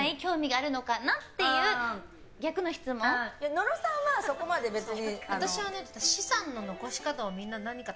野呂さんはそこまで別に。